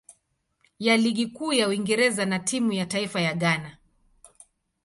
ya Ligi Kuu ya Uingereza na timu ya taifa ya Ghana.